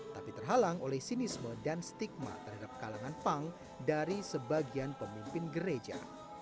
tapi terhalang oleh sinisme dan stigma terhadap kalangan punk dari sebagian pemimpin gereja